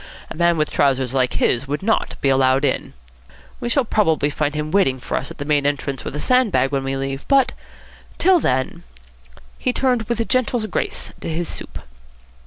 A man with trousers like his would not be allowed in. We shall probably find him waiting for us at the main entrance with a sand bag, when we leave, but, till then " He turned with gentle grace to his soup.